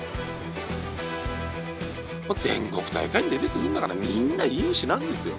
全国大会に出てくるんだからみんないい牛なんですよ。